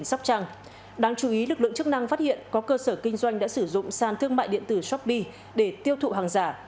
sóc trăng đáng chú ý lực lượng chức năng phát hiện có cơ sở kinh doanh đã sử dụng sàn thương mại điện tử shopee để tiêu thụ hàng giả